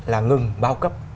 là ngừng bao cấp